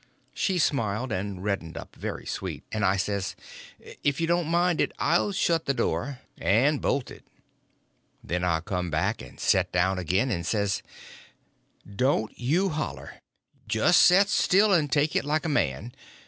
She smiled and reddened up very sweet, and I says, "If you don't mind it, I'll shut the door—and bolt it." Then I come back and set down again, and says: "Don't you holler. Just set still and take it like a man.